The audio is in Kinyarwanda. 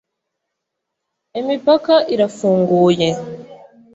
“Imipaka irafunguye